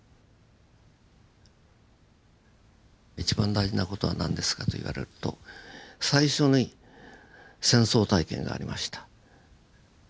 一番大事な事は何ですかと言われると最初に戦争体験がありました。